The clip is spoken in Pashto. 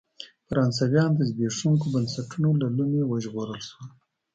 فرانسویان د زبېښونکو بنسټونو له لومې وژغورل شول.